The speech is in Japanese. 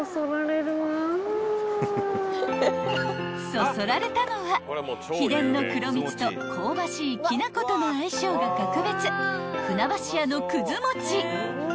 ［そそられたのは秘伝の黒蜜と香ばしいきな粉との相性が格別船橋屋のくず餅］